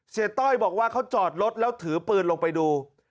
ต้อยบอกว่าเขาจอดรถแล้วถือปืนลงไปดู